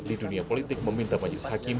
di dunia politik meminta majelis hakim